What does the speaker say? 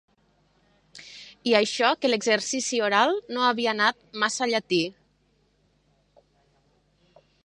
I això que l'exercici oral no havia anat massa llatí